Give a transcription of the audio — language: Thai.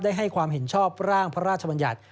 ให้ความเห็นชอบร่างพระราชบัญญัติ